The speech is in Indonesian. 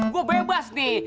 gua bebas nih